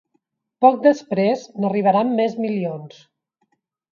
Poc després n’arribaran més milions.